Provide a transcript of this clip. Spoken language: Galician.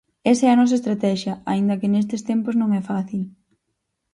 Esa é a nosa estratexia, aínda que nestes tempos non é fácil.